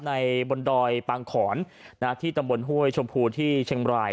บนดอยปางขอนที่ตำบลห้วยชมพูที่เชียงบราย